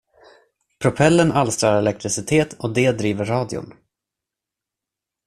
Propellern alstrar elektricitet, och det driver radion.